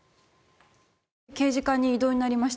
刑事課に異動になりました